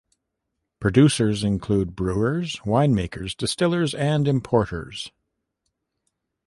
Producers include brewers, wine makers, distillers and importers.